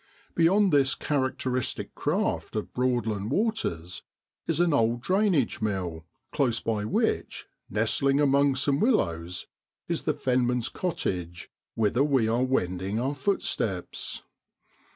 Beyond this characteristic craft of Broadland waters is an old drainage mill, close by which, nestling among sojne willows, is the Fen man's cottage, whither we are wending our footsteps.